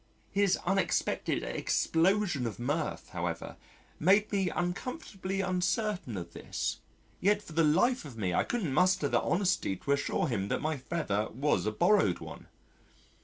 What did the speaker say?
His unexpected explosion of mirth, however, made me uncomfortably uncertain of this, yet for the life of me I couldn't muster the honesty to assure him that my feather was a borrowed one.